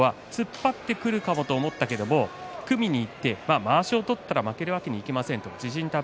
勝った北青鵬は突っ張ってくるかもと思ったけれども組みにいってまわしを取ったら負けるわけにはいきません。